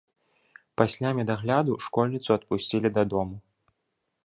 Пасля медагляду школьніцу адпусцілі дадому.